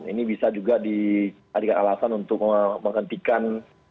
ini bisa juga dijadikan alasan untuk menghentikan